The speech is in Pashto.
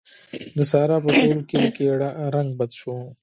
د سارا په ټول کلي کې رنګ بد شو.